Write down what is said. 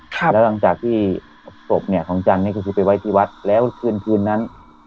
แล้วหลังจากที่ศพเนี่ยของจันทร์นี่ก็คือไปไว้ที่วัดแล้วคืนคืนนั้น